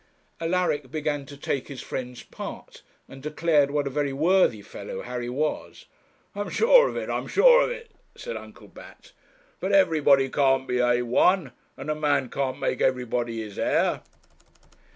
Alaric began to take his friend's part, and declared what a very worthy fellow Harry was. 'I am sure of it I am sure of it,' said Uncle Bat; 'but everybody can't be A 1; and a man can't make everybody his heir.'